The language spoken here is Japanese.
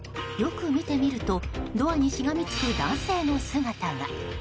よく見てみるとドアにしがみつく男性の姿が。